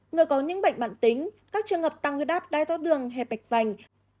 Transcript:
người có những bệnh mạng tính các trường hợp tăng quyết áp đai thoát đường hay bạch vành